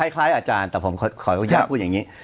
คล้ายอาจารย์แต่ผมขออนุญาตพูดอย่างนี้